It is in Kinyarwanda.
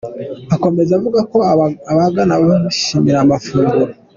Akomeza avuga ko ababagana bose bishimira amafunguro.